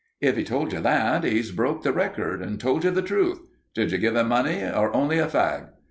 "If he told you that, he's broke the record and told you the truth. Did you give him money, or only a fag?